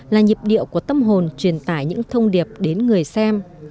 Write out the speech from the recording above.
là nhịp điệu của tâm hồn truyền tải những thông điệp đến người xem